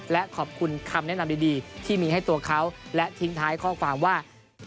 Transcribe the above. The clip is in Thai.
และขอบคุณคำแนะนำดีที่มีให้ตัวเขาและทิ้งท้ายข้อความว่า